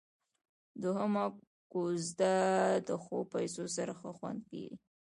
دوهمه کوزده د ښو پيسو سره ښه خوند کيي.